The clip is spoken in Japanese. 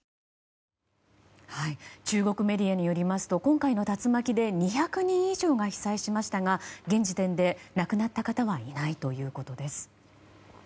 中国メディアによりますと今回の竜巻で２００人以上が被災しましたが現時点で亡くなった方はいないということです。